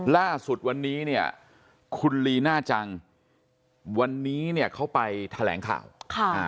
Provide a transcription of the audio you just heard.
ล่าสุดวันนี้เนี่ยคุณลีน่าจังวันนี้เนี่ยเขาไปแถลงข่าวค่ะอ่า